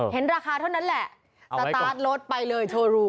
ราคาเท่านั้นแหละสตาร์ทรถไปเลยโชว์รู